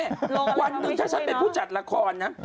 ลงกับอะไรทำให้ช่วยนะวันนึงถ้าฉันเป็นผู้จัดละครนะ